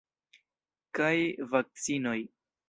Kaj vakcinoj!